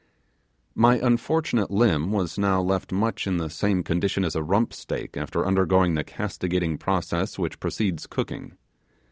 My unfortunate limb was now left much in the same condition as a rump steak after undergoing the castigating process which precedes cooking.